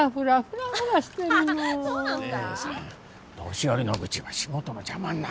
年寄りの愚痴は仕事の邪魔になるから。